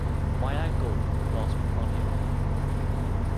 “My ankle,” gasped Anya.